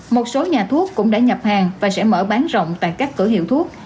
một số nhà thuốc cũng đã nhập hàng và sẽ mở bán rộng tại các cửa hiệu thuốc